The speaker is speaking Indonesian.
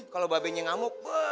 kalau babesnya ngamuk po